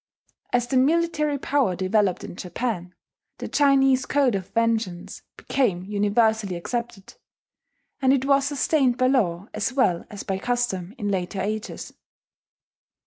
As the military power developed in Japan, the Chinese code of vengeance became universally accepted; and it was sustained by law as well as by custom in later ages.